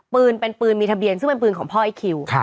ปืนเป็นปืนมีทะเบียนซึ่งเป็นปืนของพ่อไอ้คิว